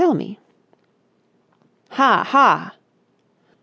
Tell me!" "Ha, ha!"